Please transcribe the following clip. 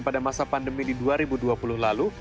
pada masa pandemi di dua ribu dua puluh lalu